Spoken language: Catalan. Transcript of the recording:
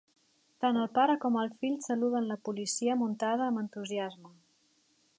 Tant el pare com el fill saluden la policia muntada amb entusiasme